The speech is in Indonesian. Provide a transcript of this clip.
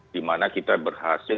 di mana kita berhasil